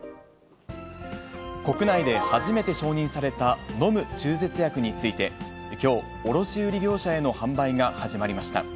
国内で初めて承認された飲む中絶薬について、きょう、卸売り業者への販売が始まりました。